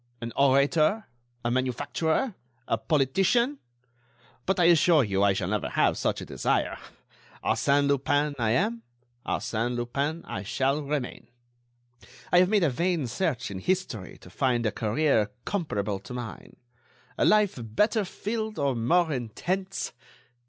An orator, a manufacturer, a politician.... But, I assure you, I shall never have such a desire. Arsène Lupin, I am; Arsène Lupin, I shall remain. I have made a vain search in history to find a career comparable to mine; a life better filled or more intense....